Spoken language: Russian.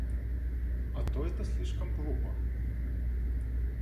А то это слишком глупо!